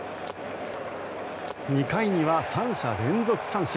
２回には３者連続三振。